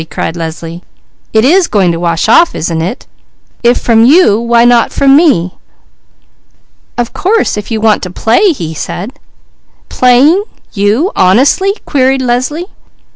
cried Leslie. "It is going to wash off, isn't it? If from you, why not from me?" "Of course if you want to play!" he said. "Playing? You? Honestly?" queried Leslie.